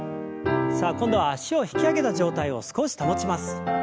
さあ今度は脚を引き上げた状態を少し保ちます。